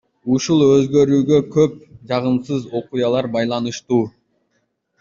Ушул өзгөрүүгө көп жагымсыз окуялар байланыштуу.